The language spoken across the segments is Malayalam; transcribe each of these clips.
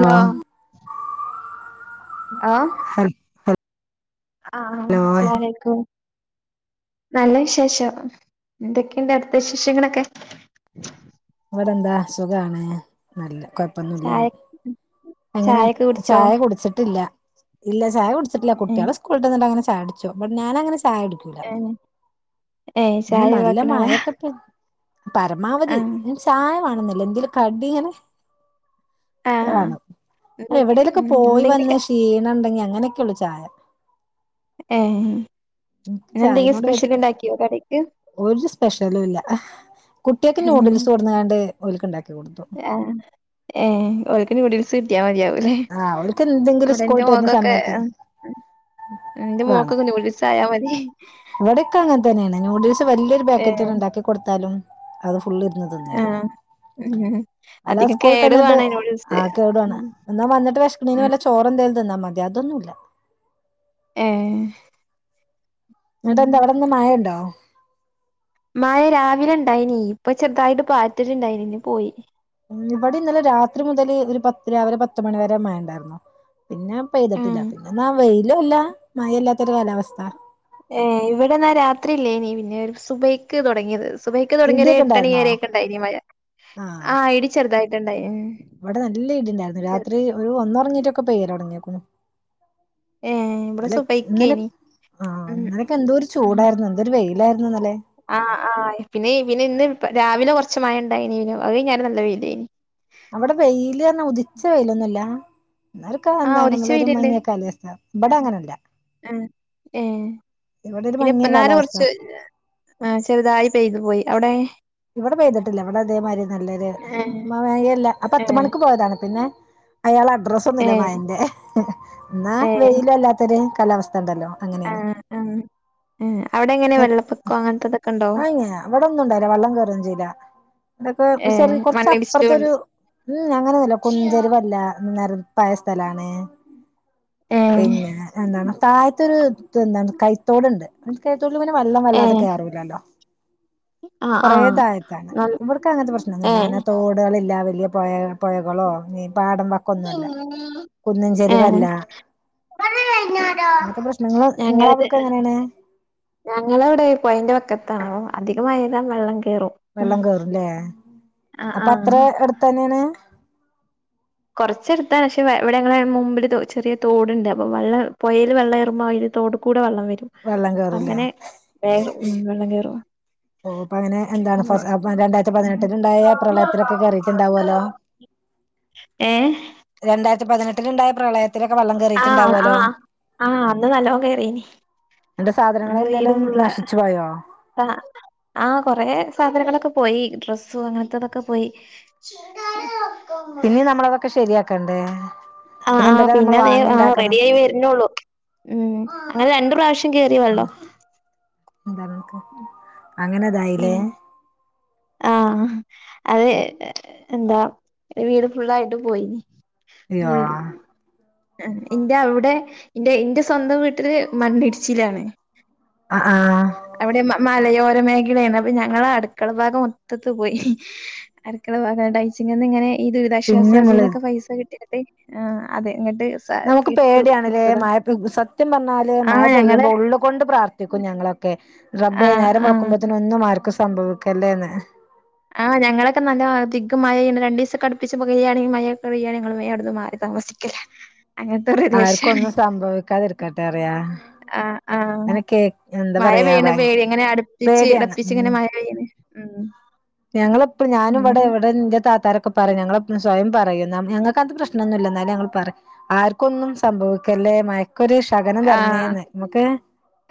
ആ ആ ആ ആ അസ്ലാലേക്കും. നല്ല വിശേഷം. എന്തൊക്കെണ്ട് അട്ത്തെ വിശേഷങ്ങളൊക്കെ? ഇവിടെന്താ സുഖാണ്. നല്ല കൊഴപ്പൊന്നൂല്ല. ചായ എങ്ങനെ ചായൊക്കെ കുടിച്ചോ ചായ കുടിച്ചിട്ട് ല്ല ഇല്ല ചായ കുടിച്ചിട്ടില്ല ഉം കുട്ട്യാള് സ്കൂൾ വിട്ട് വന്നിട്ടങ്ങനെ ചായകുടിച്ചോ ബട്ട്‌ ഞാനങ്ങനെ ചായകുടിക്കൂല ഏഹ് ഏഹ് ചായ ഇന്ന് നല്ല ഒഴിവാക്കണ ആളാ മഴെക്കപ്പൊ പരമാവധി ആഹ് ചായ വാണം എന്ന്ന്നുല്ല ന്തേലും കടികൾ ആഹ് ആണോ എന്തെ എവിടേലൊക്കെ ഉം പോയി വന്ന് എന്തെങ്കിലൊക്കെ ക്ഷീണി ണണ്ടെങ്കി അങ്ങനെക്കൊള്ളു ചായ ഏഹ് ഇന്നെന്തെങ്കിലും ചായനോട് വൽ സ്പെഷ്യൽ ഉണ്ടാക്കിയോ കടിക്ക് ഒരു സെപ്ഷ്യലുല്ല കുട്ട്യാൾക്ക് നൂഡിൽസ് കൊട്ന്ന്ക്കാണ്ട് ഓൽക്ക് ണ്ടാക്കി ഏ ഓൽക്ക് നൂഡിൽസ് സ്ട്ട്യാ മതിയാവും ആഹ് ഓൽക്ക് എന്തെങ്കിലും ഇവിടെ സ്കൂള് എന്റെ വിട്ട് വരുന്ന മോൾക്കൊക്കെ സമയത്ത് വേണം നൂഡിൽസ് ആയാമതി ഇവിടെക്കെ അങ്ങനെ തന്നേണ് നൂഡിൽസ് വല്യൊരു പാക്കറ്റ് ഏഹ് ണ്ടാക്കി കൊടുത്താലും [unintelligible] ഫുള്ളിർന്ന് തിന്നേരും ആഹ് ഉം അല്ലാതെ അധികം സ്കൂൾ വിട്ട് വന്നിട്ട് കേടുവാണ് നൂഡിൽസ് ആക്കായതൊണ്ട ഉം എന്നാ വന്നിട്ട് വേശക്ക്ണീന് ഉം വല്ല ചോറെന്തേലും തിന്നാൻ പറ അതൊന്നുല്ല ഏ ന്നട്ടെന്താ അവടിന്ന് മയണ്ടോ? മയ രാവിലെ ണ്ടായിനി ഇപ്പൊ ചെർതായിട്ട് പാറ്റലിണ്ടായിനി പോയി ഇബടിം ഇന്നലെ രാത്രി മുതൽ ഒരു പത്തര രാവിലെ പത്ത് മണി വരെ മഴണ്ടായിർന്നു പിന്നെ പെയ്തിട്ടില്ല ന്നാ വെയിലുല്ല മഴില്ല എത്തൊരു കാലാവസ്ഥ ഏ ഇവിടെന്നാ രാത്രിയില്ലേനി പിന്നെ ഒരു സുബൈക്ക് തൊടങ്ങിയത് സുബൈക്ക് തൊടങ്ങി ഇടിയൊക്കെ ഒരെട്ടണി ഉണ്ടായിരുന്നോ വരേക്കെ ണ്ടായിനി മഴ ആഹ് ആ ഇടി ചെർതായിട്ട് ണ്ടായി ഇവിടെ നല്ല ഇടി ണ്ടായിർന്നു രാത്രി ഒരു ഒന്നൊർങ്ങീട്ടൊക്കെ പെയ്യലൊട്ങ്ങീക്കുണു ഏ ബടെ ഇന്നലെ സുബൈക്കേനി ആഹ് ഇന്നലൊക്കെ എന്തോ ഒരു ചൂടായിരുന്നു എന്തൊരു വെയിലായിരുന്നു ഇന്നലെ ആ ആ പിന്നെ പിന്നെ ഇന്ന് രാവിലെ കൊർ ച്ച് മഴണ്ടായ്നീനു അത് കഴ്ഞ്ഞാരെ നല്ല വെയ്ലെയ്നു അവിടെ വെയില് പറഞ്ഞാ ഉദിച്ച വെയ്ലൊന്നുല്ലാ ആ ഉദിച്ച വെയില്ണ്ട്‌ കാലാവസ്ഥ ഇവിടെ അ അങ്ങനല്ല ആ ഏ ഇവിടെ ഒരു മങ്ങിയ പിന്നെപ്പന്നാരെ കാലാവസ്ഥ കൊറച്ച് ആ ചെറുതായി പെയ്തു പോയി അവിടെ ഇവടെ പെയ്തിട്ടില്ല ഇവിടെ അതേ മായ്രിന്നെല്ലത് ഏ മഴയില്ല ആ ഏ പത്ത് മണിക്ക് പോയതാണ് പിന്നെ അയാടെ ഏ അഡ്രസ്സൊന്നുല്ല മഴൻ്റെ ഇന്നാ വെയിലല്ലാത്തൊര് [inaudible] അഹ് അഹ് എ അവിടെ എങ്ങനാ വെള്ളത്തൊക്കൊ അങ്ങനത്തെ തൊക്കെ ഉണ്ടോ ഒന്നൂണ്ട വെള്ളം കേറൊ ചെയ്യില്ല ഏഹ് ഇവിടൊക്കെ കൊറ്ച് മണ്ണിടിച്ചിലും ഉണ്ട് അപ്പറ്ത്തൊരു ഉം അങ്ങനൊന്നല്ല കുൻ ചെരിവല്ല നെരപ്പായ സ്ഥലാണ് ഏഹ് പിന്നെ എന്തണ് താഴ്ത്തൊര് ത്തണ് കൈത്തോട്ണ്ട് [inaudible] വെള്ളം വല്ലാതെ ഏഹ് കേറീലല്ലോ ആഹ് കൊറെ ആഹ് താഴ്ത്താണ് നൽ ഇവട്ക്ക് അങ്ങൻത്തെ ഏഹ് പ്രശ്നൊന്നുല്ല തോടേളില്ല വല്ല്യ പൊഴ പൊഴകളോ നീ [unintelligible] ചെരിവല്ല അങ്ങനത്തെ പ്രശ്നങ്ങള് നിങ്ങളെ ഏഹ്ഞങ്ങൾത് അവിടക്ക് എങ്ങനെയാണ് ഞങ്ങളിവടെ പൊഴന്റെ വക്കത്താ അധികം മഴയ്താൽ വെള്ളം കേ- വെള്ളം കേറുംലേ ആഹ് അപ്പ ആഹ് അത്രേ അടുത്തന്നേണ് കൊറ്ച്ച് എടുത്താണ് ക്ഷെ ഇവിടെ ഞങ്ങടെ മുമ്പില് തോ ചെറിയ തോട്ണ്ട് അപ്പോ വെള്ള പ്പൊഴേല് വെള്ളം ഏറുമ്പോ തോട്ട് കൂ- ലുടെ വെള്ളം വരും വെള്ളം കേറൂല്ലേ അങ്ങനെ വേഗം വെള്ളം കേറും ഓ അപ്പ അങ്ങിനെ എന്താണ് ഫ അപ്പൊ രണ്ടായിരത്തി പതിനെട്ടില്ണ്ടായ പ്രളയത്തിലൊക്കെ കറിയിച്ച്ണ്ടാവലോ ഏഹ് രണ്ടായിരത്തി പതിനെട്ട്ല്ണ്ടായ പ്രളയ- അഹ് ആഹ് അന്ന് നല്ലോം കേറീനി എന്നിട്ട് സാധനങ്ങൾ അന്ന് വീട് എന്തേലും ഫുള്ള നശിച്ചു പോയോ ആ കൊറേ സാധനങ്ങളൊക്കെ ഒക്കെ പോയി ഡ്രസ്സു അങ്ങനത്തെതൊക്കെ പോയി പിന്നെ നമ്മളിതൊക്കെ ശരിയാ ക്കണ്ടെ അഹ് ആഹ് പിന്നെ ദേ ആ റെഡിയായി വരണൊള്ളു ഉം ങ്ങൾ രണ്ട് പ്രാവിശ്യം കേറി വെള്ളം [inaudible] ഉം അഹ് അത് എന്താ ഈ വീട് ഫുള്ളായിട്ട് പോയി അയ്യോ മുൾ ഇന്റൗടെ ന്റെ ഇന്റെ സ്വന്ധം വീട്ടില് മണ്ണി ട്ച്ചില്ലാണ് ആ ആ അവ്ടെ മ മലയോര [unintelligible] ലേണ് അപ്പ ഞങ്ങളേ അടക്കളഭാഗം മൊത്തത്ത്പോയി അടക്കളഭാഗണ്ട് അയ്ച്ചങ്ങന്നിങ്ങനെ ഈ പിന്നെ ദുരിതാശ്വാസാ നമ്മള് ധിനൊക്കെ പൈസ കിട്ടി [unintelligible] ആഹ് അതെ ഇങ്ങട്ട് സ നമുക്ക് എടുത്തു പേടിയാണ് ലേ എടുത്തതാ മഴ പെ സത്യം പർഞാല് മഴ ആഹ് ഞങ്ങള് പെയ്യുമ്പോ ഉള്ള്കൊണ്ട് പ്രാർത്ഥിക്കും ഞങ്ങളൊക്കെ റബ്ബേ ആഹ് നേരം ആഹ് വെളുക്കുമ്പത്തിന് ഒന്നുമ ര്ക്കും സംഭവിക്കല്ലെന്ന് ആഹ് ഞങ്ങളൊക്കെ നല്ല അതിക്ക് മഴെയ്യ്ന് രണ്ടീസൊക്കെ അടുപ്പിച് പെയ്യാണെങ്കി മയൊക്കെ പെയ്യിണെ ഞങ്ങള് വേം അവ്ട്ന്ന് മാറി താമസിക്കല ആര്ക്കും ഒന്നും സംഭവിക്കാതിരിക്കട്ടെറയാ ആഹ് ആഹ് പറയാ മഴപെയ്യ്ണെ ഭയ പേടി ഇങ്ങനെ അട്പ്പിച്ച് പേടിയാണ് ടപ്പിച്ച് ഇങ്ങനെ മഴ കയ്യിണ് ഉം ഞങ്ങളെപ്പ ഞാനിവടെ പിന്നെ ഇവടെന്റെ താത്താരൊ ക്കെ പറിം ഞങ്ങളെപ്പു സ്വയം പറയും ന്ന ഞങ്ങക്കത് പ്രേശ്നൊന്നുല്ല ഇന്നാലും അങ്ങൾ പറിം ആര്ക്കൊന്നും സംഭവിക്കല്ലേ മയ ക്കൊരു ഷകനം ആഹ് തര്നേന്ന് മ്മക്ക്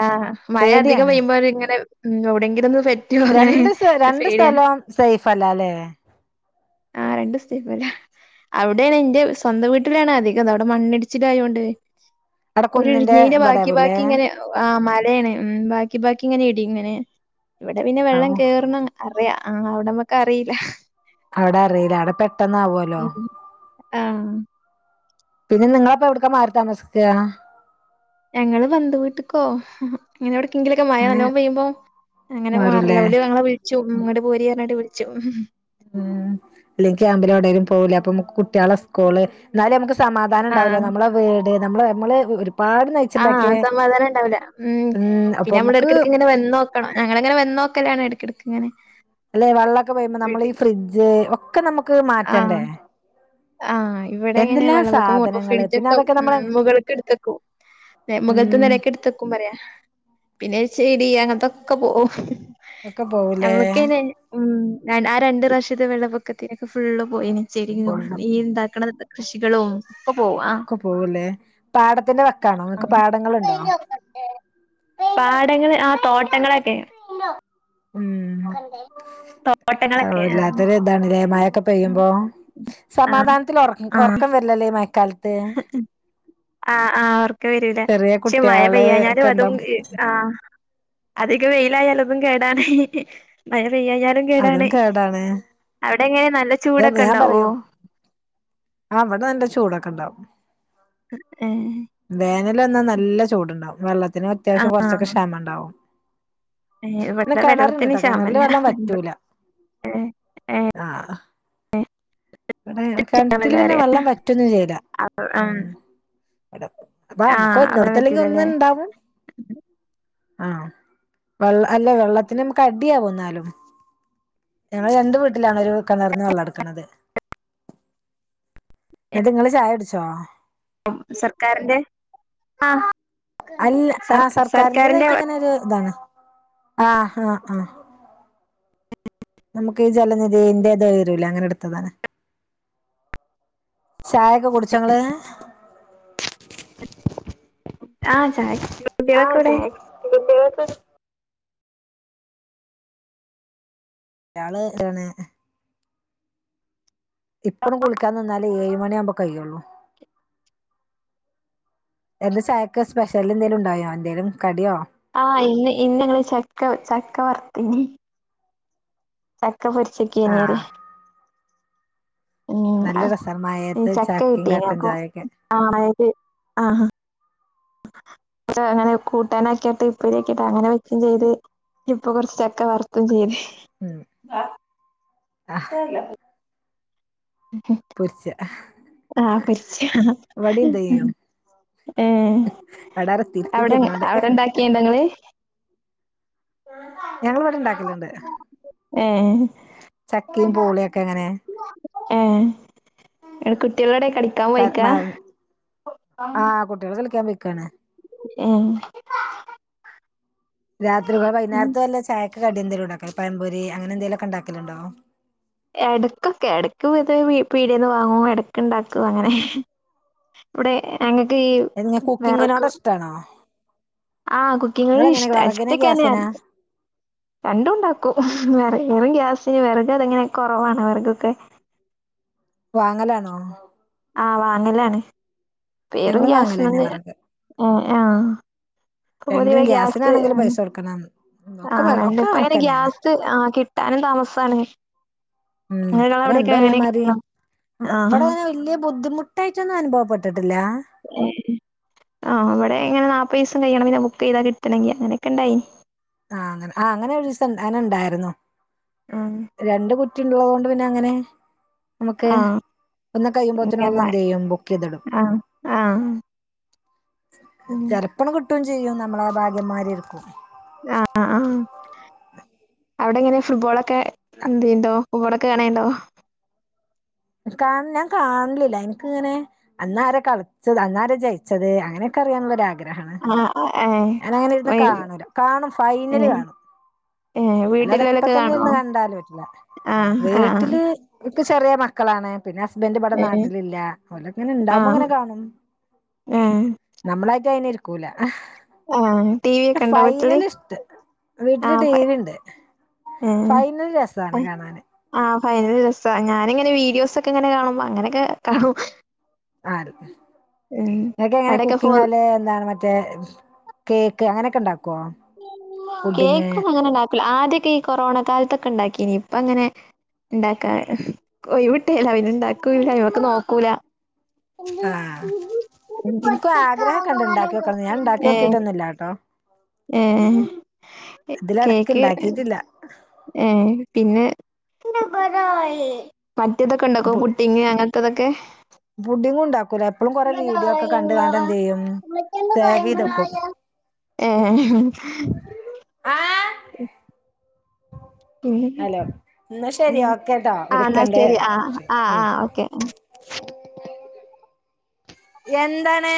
ആഹ് മയ അതികം പെയ്യുമ്പൊര് ഇങ്ങനെ ഉം ഔടെങ്കിലൊന്ന് വെ രണ്ട്സ് രണ്ട് സ്ഥലോം സെയ്ഫല്ലാലെ ആ രണ്ടുംസേഫല്ല അവ്ടേണ് ഇന്റെ സ്വന്തം വീട്ടിലാണ് അധികം നവ്ടെ മണ്ണിടിച്ചിലായൊണ്ട് അവിടെ ഒര് കുന്നിന്റെ ഉഴിഞ്ഞീനെ ബാക്കി ഇവിടാവൂല്ലേ ബാക്കി ഇങ്ങനെ അ മലേണ് ഉം ബാക്കി ബാക്കി ഇങ്ങനെ ഇടിം ഇങ്ങനെ ഇവടെ പിന്നേ വെള്ളം ആവൂ കേർണ അർയാ ആ അവ്ടമ്മക്കറീല്ല അവ്ടറീല അവ്ടെ പെട്ടന്നാവോല്ലോ ഉം ആഹ് പിന്നെ നിങ്ങളപ്പെവ്ട്ക്കാ മാറി താമസിക്കാ ഞങ്ങള് ബന്ധു വീട്ട്ക്കോവ് പിന്നെവ്ട് കിങ്കിലൊക്കെ മയ നല്ലോം പെയ്യുമ്പം അങ്ങനെ മാറൂലേ മാർലാ ഓല് ഞങ്ങളെ വിൾച്ചും ഇങ്ങട് പോരീയർഞ്ഞിട്ട് വിൾച്ചും പ്പമ്മക്ക് കുട്ട്യാളെസ്ക്കൂള് ഇന്നാലും ഞമ്മക്ക് സ് സമാധാനണ്ടാവ്ല ആഹ് നമ്മളെ വീ തെ നമ്മളെ നമ്മളെ ഒ ഒരു ആഹ് സമാദാനണ്ടാവൂല ഉം ന്നെ അപ്പൊ നമുക്ക് ഞമ്മളെടക്കെടക്കിങ്ങനെ വന്നോക്കണം. ഞങ്ങളങ്ങനെ വന്നോക്കലാണ് ഇടക്കെടക്കിങ്ങനെ അതേ വെള്ളം വെള്ളമൊക്കെവരുമ്പോ നമ്മളീ ഫ്രിഡ്ജ്, ഒക്കെ ആഹ് നമുക്കുമാറ്റണ്ടേ. ആഹ് ഇവിടിങ്ങനെ വെള്ളം വക്കുമ്പോ പിന്നെ ഫ്രിഡ്ജൊക്കെ അതൊക്കെ നമ്മള് മുകളേക്കെടുത്തു വയ്ക്കും. മുകളിലത്തെ ഉം നിലയിലേക്ക് എടുത്തു വയ്ക്കും പറയുവ പിന്നെ ചെ.. എടീ അങ്ങതൊക്കെപോം ഒക്കെ പോവൂലേ നമ്മക്കയ്നെ ആ രണ്ട് പ്രാവശ്യത്തെ വെള്ളപ്പൊക്ക പ്പൊക്കത്തിലെക്കെ ഫുള്ള് പോയീനി ചെരിങ്ങും കൊള്ളും യുണ്ടാക്കുന്ന കൃഷികളൊക്കെ പോകും ആ ഒക്കെ പോവൂലേ പാടത്തിന്റെ വക്കാണോ നിങ്ങക്ക് പാടങ്ങളുണ്ടോ പാടങ്ങള്, ആ തോട്ടങ്ങളൊക്കെ ഉം... തോട്ടങ്ങളൊക്കെ വല്ലാത്തൊരിതാണല്ലേ, മഴയൊക്കെ ആഹ് പെയ്യുമ്പോം ആഹ് ആഹ് സമാധാനത്തിലൊറക്കം വരില്ലല്ലേ മഴ ക്കാലത്ത് ആ. ആ ഒർക്കു വരുല്ല ക്ഷെ. മഴ ഒക്കെ പെയ്യാഞ്ഞാലുമതും ഉണ്ടാവും ആ അധികം വെയിലായാലും ഇതും കേടാണേ, മഴ പെയ്യാഞ്ഞാലും കേടാണേ, അ എങ്ങനെ ന അതുഞാൻ പറയും, അ. ഇവിടെ നല്ല ചൂടൊക്കെണ്ടാവും. ഏ വേനലെന്നാ നല്ല ചൂടുണ്ടാവും വെള്ള ത്തിനത്യാവശ്യം കൊറച്ചൊക്കെ ക്ഷാമണ്ടാവും. ഏ. ഇവിടെവെള്ളത്തിനു കിണറില് ക്ഷാമല്ല, വെള്ളം വറ്റൂല ഏ ഏ കിണറ്റിൽ പറയാ പിന്നെവെള്ളം പറ്റുകയില്ല. അപ്പ ഉം ആഹ് അവിടെ പറ്റൂലല്ലേ ആം.. വെള്ള, വെള്ളത്തിനും കട്ടിയാകുമെന്നാലും, ഞങ്ങൾ രണ്ട് വീട്ടിലാണൊരു കിണറിൽ നിന്നും വെള്ളമെടുക്കുന്നത്. എന്നിട്ട്, ങ്ങളുചായ കുടിച്ചോ ഉം സർക്കാറിന്റ ആ അല്ല, ആ.. സർക്കാരിന്റെ വച്ചിങ്ങനെയൊരിതാണ്. ആ.. ഹാ.. ആ നമുക്കീജലനിധീന്റെ വരൂലേ, അങ്ങനെയെടുത്തതാ ചായൊക്കെകുടിച്ചൊ ങ്ങള് ആ.. ചായകുടിച്ചു ആ.. ഫോണിൽ കുട്ടികൾ [unintelligible] അയാള് [unintelligible] ഇപ്പളും കുളിക്കാ നിന്നാലെയ് മണി ആവുമ്പോ കയ്യുള്ളൂ എന്താ ചായക്ക് സ്പെഷ്യൽ എന്തേലും ഉണ്ടായോ എന്തേലും കടിയോ ആഹ് ഇന്ന് ഇന്നങ്ങള് ചക്ക ചക്ക വർത്തീനി [unintelligible] ഒക്കെ പൊരിച്ച്ക്കെനീ ആഹ് [unintelligible] ഓ നല്ല [unintelligible] രസാണ് ഈ മഴയത്ത് ചക്ക ചായക്കും കിട്ടീന കട്ടൻ അപ്പൊ ചായയൊക്കെ ആ അത് ആഹ് കൊർച്ച് അങ്ങനെ കൂട്ടാനൊക്കെട്ട് ഇപ്പഴക്കെട്ട് അങ്ങനെ വെക്കയും ചെയ്ത്. ഇപ്പൊ കുറച്ച് ചക്ക വർത്തും ചെയ്ത്. ഉം. തല്ല പൊരിച്ചാ. [unintelligible] ആ പൊരിച്ച എന്തെയ്യും ഏഹ് അവിടെ ആരോ തിരുത്തി അവിടെ തരുന്നുണ്ട് അവിടെണ്ടാക്കിയണ്ടങ്ങള് [unintelligible] ഞങ്ങള് ഇവിടെ ഇണ്ടാക്കല്ണ്ട് ഏഹ് ചക്കയും പൂളിയൊക്കെ ഇങ്ങനെ എടക്ക് തിവടെ [unintelligible] ആഹ് കുട്ടികൾ കളിക്കാൻ പോയ് ക്കണ ആഹ്. രാത്രിക വൈകേരത്ത അല്ല ചായ കടി എന്തേലും ഉണ്ടാക്കല് പഴമ്പൊരി അങ്ങന എന്തങ്കലുമൊക്കെ ഉണ്ടാക്കലുണ്ടോ എടക്കൊക്കെ ഇടക്ക്ത പീടിയെന്ന് വാങ്ങും. ഇടക്ക്ണ്ടാക്കും. അങ്ങനെ ഇവിടെ ഈ നി വെറക് കുക്കിങ്ങിനോട് ഇഷ്ടാണോ? ആഹ് കുക്കിങ്ങില് നിങ്ങളെങ്ങനെ ഇഷ്ട വിറകിനാ ഇഷ്ടക്കെന്ന ഗ്യാസിനാ രണ്ടും ഉണ്ടാക്കും വെറകും ഗ്യാസ് വെറക് അതെങ്ങനെയ കൊറവാണ്. വെറുഗൊക്കെ വാങ്ങലാണോ ആഹ് വാങ്ങലാണ് പേറും ഞങ്ങള് വാങ്ങലന്നെ ഗ്യാസ്മന്ന് വിറക് ആഹ്. രണ്ടും [unintelligible] ഗ്യാസ് ഗ്യാസിനാണെങ്കിലും പൈസ കൊടുക്കണം ആ ഒക്കെ രണ്ട് ഒക്കെ ഇപ്പ അങ്ങനെ കണക്കന്നെയാണ് ഗ്യാസ് ആ കിട്ടാനും താമസാണ് ഉം നിങ്ങളെ വടെ അവിടെയൊക്കെ രണ്ടും ഒരേ എങ്ങനെ മാരി കിട്ടാ? ആഹ് ഇവിടെങ്ങെ വല്ല്യ ബുദ്ധിമുട്ടായിട്ട് ഒന്നും അനുഭവപ്പെട്ടിട്ടി ഏയ് അവടെ ഇങ്ങനെ നാപ്പയീസം [unintelligible] അങ്ങനെയൊക്കെ ഇണ്ടായി ആ അങ്ങനെ അങ്ങനെ ഒരു സാധനം ഉണ്ടായിരുന്നു ആഹ്. രണ്ടു മുട്- ട്ടിയിള്ളോണ്ട് പിന്നെ അങ്ങനെ അമ്മക്ക് ആഹ് ഒന്ന് കഴിയുമ്പോത്തേനും ഒന്ന് എന്ത് ചെയ്യും ബുക്ക് ചെയ്തിടും ആഹ് ആഹ് ഉം. ദർപ്പണ കിട്ടുച്ചാ എന്ത് ചെയ്യും നമ്മൾ ഭാര്യമാര് ആഹ് ആഹ് അവിടെ അങ്ങനെ ഫുട്ബോൾ ഒക്കെ ഇണ്ടോ ഫുട്ബോൾ ഒക്കെ കാണേണ്ടോ കാണണം കാണാനില്ല എനിക്കങ്ങനെ ഇന്നാര കളിച്ചത് ഇന്നാരാ ജയിച്ചത് അങ്ങനെയൊക്കെ അറിയാനുള്ള ആഗ്ര ഗ്രഹാണ് ആഹ് ആ ഏഹ് ഞാനഅങ്ങനെയിരുന്ന് വൈ കാണാനില്ല കാണും ഫൈനൽ ഏഹ് കാണും ഏഹ് അല്ലാതെ വീട്ടിലോലൊക്കെ ഇപ്പൊത്തന്നെ കാണോ? ഇരുന്ന് കണ്ടാൽ പറ്റില്ല ആഹ് ആഹ് വീട്ടില്- നിക്ക് ചെറിയ മക്കളാണ് പിന്നെ ഹസ്ബൻഡ് ഇവിടെ ഏഹ് നാട്ടിൽ ഇല്ല ഓലിങ്ങനെ ഇണ്ടാവുമ്പോ ആഹ് ഇങ്ങനെ കാണും ഏഹ് നമ്മളായിട്ട് അയിന് ഇരി ക്കൂല ആഹ് ടി വി ഒക്കെ ഉണ്ടോ വീട്ടില്? ഫൈനലിസ്റ്റ് വീട്ടിൽ ആഹ് ടിവി ഉണ്ട് ഉം ഫൈനലി രസാണ് കാണാന് ഫൈനലിൽ രസം ഞാനിങ്ങനെ വീഡിയോസ് ഒക്കെ എങ്ങനെ കാണുമ്പോ അങ്ങനെ കാണും ആ ഉം ഇടയ്ക്ക് അങ്ങനെ അവിടെയൊക്കെ ഫോ കുക്കിംഗ് ഒക്ക എന്താണ് മറ്റേ കേക്ക് അങ്ങനെ ക്കണ്ടാക്കും കേക്ക് അങ്ങനെ ഉണ്ടാക്കില്ല ആദ്യമൊക്കെ ഈ കൊറോണ കാലത്ത് ക്കെ ഉണ്ടാക്കീനി ഇപ്പൊ അങ്ങനെ ഉണ്ടാക്കാറില്ല ഒഴിവിട്ടേല ഇണ്ടാക്കൂല്ല ഇതൊക്കെ നോക്കൂല ആ ഉം ഇനിക്കും ആഗ്രഹമൊക്കെയുണ്ട് ഇണ്ടാക്കി നോക്കണോന്ന് ഞാൻ ഇണ്ടാക്കി നോക്കിയിട്ട് ഒന്നുമില്ല ട്ടോ ഏ കേക്ക് ഇണ്ടാക്കിയിട്ടില്ല ഏ പിന്നെ മറ്റേതൊക്കെ ഉണ്ടാക്കുമോ പു പുഡിങ് അങ്ങനത്തൊക്കെ പുഡിങ്ങും ഇണ്ടാക്കൂല എപ്പളും കൊറെ വീഡിയോ ഒക്കെ കണ്ട് കാണ്ട് എന്തെയ്യും സേവെയ്ത് വെക്കും ഏ ആഹ് ഹലോ, എന്നാ ശരി ഉം ഓക്കെ ട്ടോ ആ എന്നാ വിളിക്കണണ്ട് ശരി ആ ആ മ് ആ ഓക്കെ എന്താണ്